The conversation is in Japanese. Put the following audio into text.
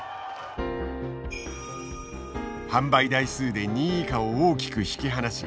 販売台数で２位以下を大きく引き離し